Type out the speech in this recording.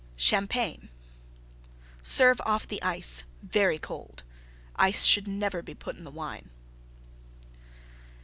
CHAMPAGNE Serve off the Ice very cold. Ice should never be put in the Wine.